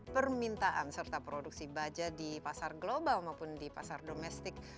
permintaan serta produksi baja di pasar global maupun di pasar domestik